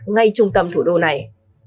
ngay trung tâm thủ đô này